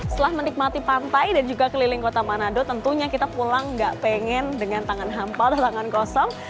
setelah menikmati pantai dan juga keliling kota manado tentunya kita pulang gak pengen dengan tangan hampa tangan kosong